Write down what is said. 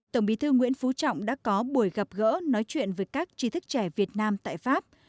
tổng bí thư nguyễn phú trọng đã có buổi gặp gỡ nói chuyện với các chi thức trẻ việt nam tại pháp